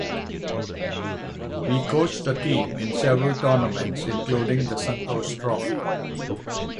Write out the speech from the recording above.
He coached the team in several tournaments including the Santosh Trophy.